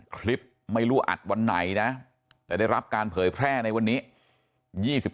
คลิปไม่รู้อัดวันไหนนะแต่ได้รับการเผยแพร่ในวันนี้